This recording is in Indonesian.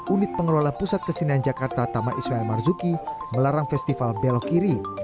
unit pengelola pusat kesenian jakarta taman ismail marzuki melarang festival belok kiri